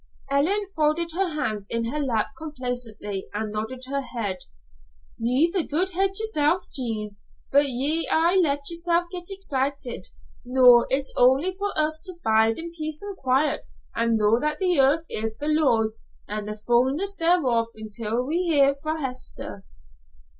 Ellen folded her hands in her lap complaisantly and nodded her head. "Ye've a good head, yersel', Jean, but ye aye let yersel' get excitet. Noo, it's only for us to bide in peace an' quiet an' know that the earth is the Lord's an' the fullness thereof until we hear fra' Hester."